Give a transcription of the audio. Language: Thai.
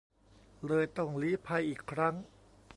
เลยต้องลี้ภัยอีกครั้ง